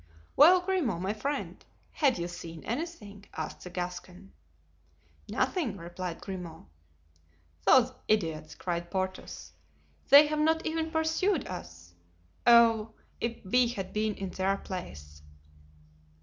"Well, Grimaud, my friend, have you seen anything?" asked the Gascon. "Nothing!" replied Grimaud. "Those idiots!" cried Porthos, "they have not even pursued us. Oh! if we had been in their place!"